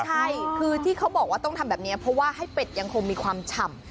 ใช่คือที่เขาบอกว่าต้องทำแบบนี้เพราะว่าให้เป็ดยังคงมีความฉ่ำ